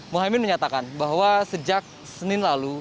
muhaymin menyatakan bahwa sejak senin lalu